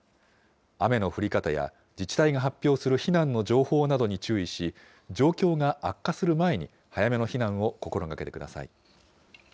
雨の降り方や、自治体が発表する避難の情報などに注意し、状況が悪化する前に早めの避難を心がけてください。